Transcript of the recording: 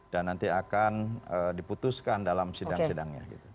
dan nanti akan diputuskan dalam sidang sidangnya